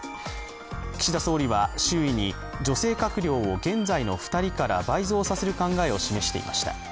岸田総理は周囲に、女性閣僚を現在の２人から倍増させる考えを示していました。